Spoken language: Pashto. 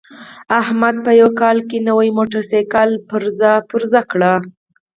احمد په یوه کال کې نوی موټرسایکل پرزه پرزه کړ.